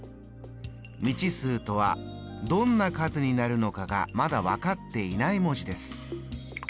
未知数とはどんな数になるのかがまだ分かっていない文字です。